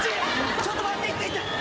ちょっと待って。